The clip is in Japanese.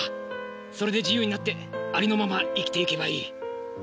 それで自由になってありのまま生きていけばいい。